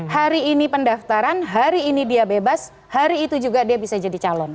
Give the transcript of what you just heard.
hari ini pendaftaran hari ini dia bebas hari itu juga dia bisa jadi calon